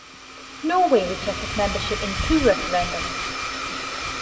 Norway rejected membership in two referendums.